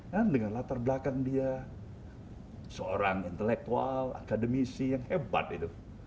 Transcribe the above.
kan dengan latar belakang dia seorang intelektual akademisi yang hebat itu